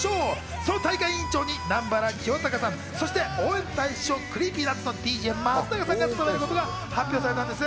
その大会委員長を南原清隆さん、応援大使をＣｒｅｅｐｙＮｕｔｓのＤＪ松永さんが務めることが発表されたんです。